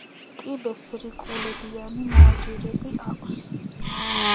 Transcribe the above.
კიბეს რიკულებიანი მოაჯირები აქვს.